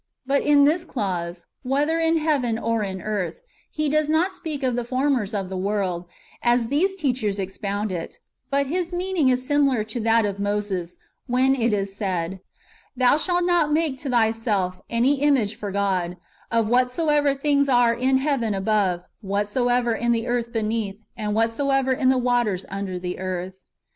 But in this [clause], " whether in heaven or in earth," he does not speak of the formers of the world, as these [teachers] ex pound it ; but his meaning is similar to that of Moses, when it is said, '' Thou shalt not make to thyself any image for God, of whatsoever things are in heaven above, whatsoever in the earth beneath, and whatsoever in the waters under the earth."